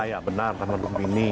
iya benar taman lubini